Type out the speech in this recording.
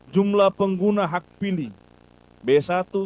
jumlah dptb laki laki traz freely laki laki sepuluh ribu dua ratus empat puluh dua